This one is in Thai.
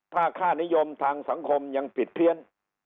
ถ้าค่านิยมทางสังคมยังผิดเพี้ยน